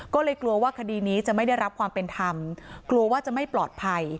ก็เลยกลัวว่าคดีนี้จะไม่ได้รับความเป็นธรรมกลัวว่าจะไม่ปลอดภัย